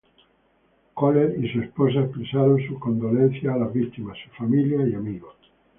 Köhler y su esposa expresaron sus condolencias a las víctimas, sus familias y amigos.